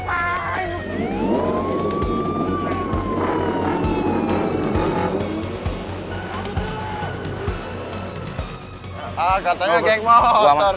katanya kayak monster